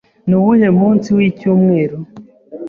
Nuwuhe munsi wicyumweru?